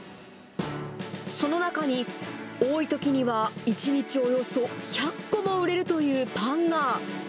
その中に、多いときには１日およそ１００個も売れるというパンが。